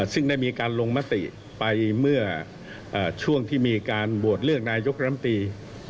ซึ่งได้มีการลงมติไปเมื่อช่วงที่มีการโหวตเลือกนายกรัมตี